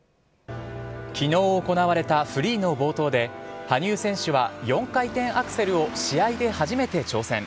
きのう行われたフリーの冒頭で、羽生選手は４回転アクセルを試合で初めて挑戦。